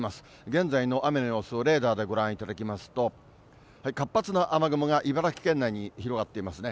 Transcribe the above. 現在の雨の様子をレーダーでご覧いただきますと、活発な雨雲が茨城県内に広がっていますね。